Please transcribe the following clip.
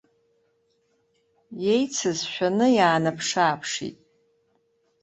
Иеицыз шәаны иаанаԥш-ааԥшит.